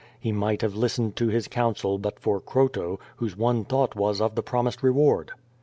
He might have listened to his counsel but for Croto, whose one thought was of the promised reward.